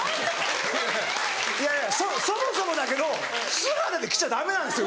いやそもそもだけど素肌で着ちゃダメなんですよ